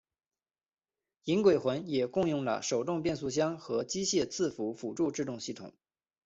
银鬼魂也共用了手动变速箱和机械伺服辅助制动系统。